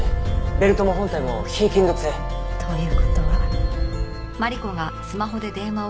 ベルトも本体も非金属製。という事は。